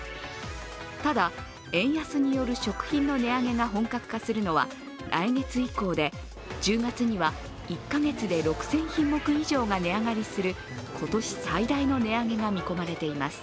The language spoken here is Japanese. ただ、円安による食品の値上げが本格化するのは来月以降で１０月には１カ月で６０００品目以上が値上がりする今年最大の値上げが見込まれています。